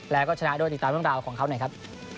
แล้วก็ชนะด้วยติดตามเรื่องราวของเขาหน่อยครับ